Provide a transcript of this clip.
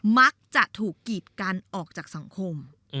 มักจะถูกกีดกันออกจากสังคม